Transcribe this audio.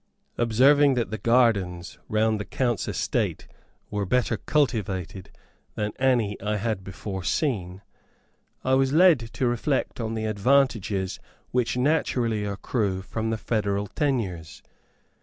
Observing that the gardens round the count's estate were better cultivated than any I had before seen, I was led to reflect on the advantages which naturally accrue from the feudal tenures.